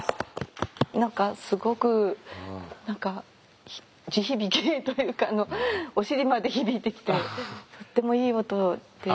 何かすごく地響きというかお尻まで響いてきてとってもいい音で。